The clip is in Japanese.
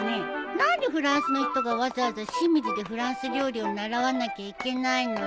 何でフランスの人がわざわざ清水でフランス料理を習わなきゃいけないのさ。